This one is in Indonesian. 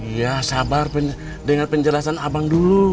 iya sabar dengan penjelasan abang dulu